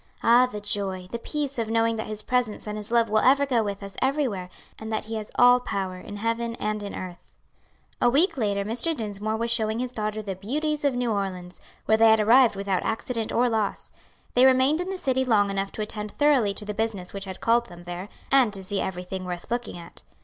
"Ah, the joy, the peace, of knowing that His presence and His love will ever go with us everywhere; and that He has all power in heaven and in earth." A week later, Mr. Dinsmore was showing his daughter the beauties of New Orleans, where they had arrived without accident or loss. They remained in the city long enough to attend thoroughly to the business which had called them there, and to see everything worth looking at.